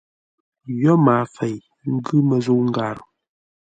Yo maafei, ngʉ̌ məzə̂u ngârə.